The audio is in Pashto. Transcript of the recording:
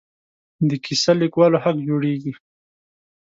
د کیسه لیکوالو حق جوړېږي.